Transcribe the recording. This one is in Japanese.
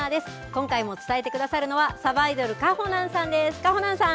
今回も伝えてくださるのは、さばいどる、かほなんさんです。